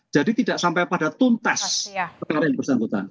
jadi tidak sampai pada tuntas perkara yang disambutkan